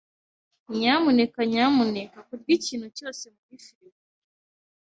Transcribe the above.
Nyamuneka nyamuneka kurya ikintu cyose muri firigo .